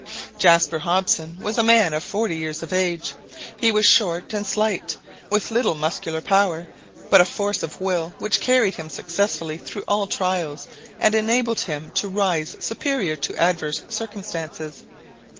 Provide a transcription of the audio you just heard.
Jaspar Hobson was a man of forty years of age. He was short and slight, with little muscular power; but a force of will which carried him successfully through all trials, and enabled him to rise superior to adverse circumstances.